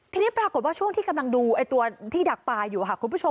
ทีนี้ปรากฏว่าช่วงที่กำลังดูตัวที่ดักปลาอยู่ค่ะคุณผู้ชม